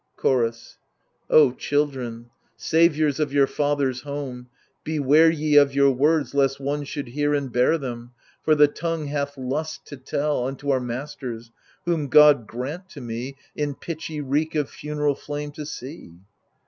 Chorus children, saviours of your father's home, Beware ye of your words, lest one should hear And bear them, for the tongue hath lust to tell, Unto our masters — whom God grant to me In pitchy reek of funeral flame to see